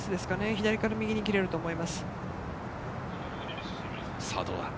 右から左に少し切れると思います。